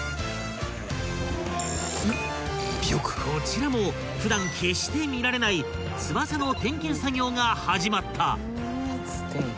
［こちらも普段決して見られない翼の点検作業が始まった］